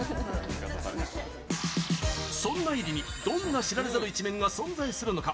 そんなｉｒｉにどんな知られざる一面が存在するのか。